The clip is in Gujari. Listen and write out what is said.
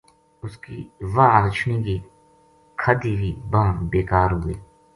اس کی واہ رچھنی کی کھادی وی بانہہ بے کار ہو گئی